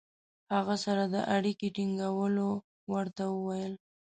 هغه سره د اړیکې ټینګولو ورته وویل.